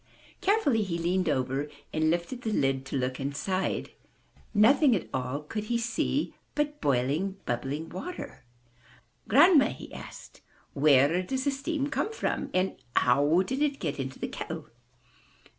Carefully he leaned over and lifted the lid to look inside. Nothing at all could he see but boiling, bubbling water. ''Grandma,'* he asked, where does the steam come from? How did it get into the kettle?''